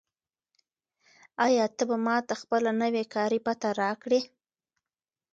آیا ته به ماته خپله نوې کاري پته راکړې؟